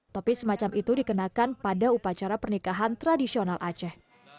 topi semacam itu dikenakan pada upacara pernikahan tradisional aceh